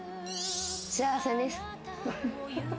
幸せです。